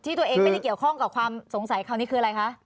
ตัวเองไม่ได้เกี่ยวข้องกับความสงสัยคราวนี้คืออะไรคะ